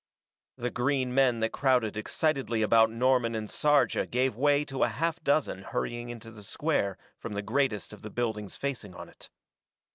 The green men that crowded excitedly about Norman and Sarja gave way to a half dozen hurrying into the square from the greatest of the buildings facing on it.